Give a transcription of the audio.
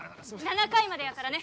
７回までやからね